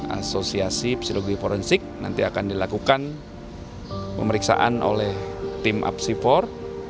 asosiasi psikologi forensik nanti akan dilakukan pemeriksaan oleh tim apsifor